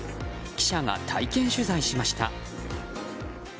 記者が体験取材しました。